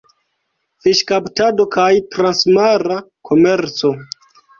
Fiŝkaptado kaj transmara komerco.